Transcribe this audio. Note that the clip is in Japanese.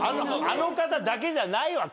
あの方だけじゃないわ。